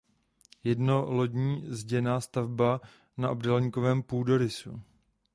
Jednolodní zděná stavba na obdélníkovém půdorysu.